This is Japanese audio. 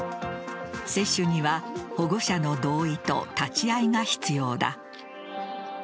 接種には保護者の同意と立ち会いが必要だ。